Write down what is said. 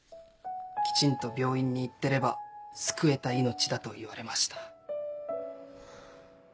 きちんと病院に行ってれば救えた命だと言われました。